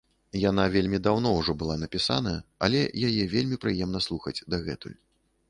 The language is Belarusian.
Яна вельмі даўно ўжо была напісаная, але яе вельмі прыемна слухаць дагэтуль.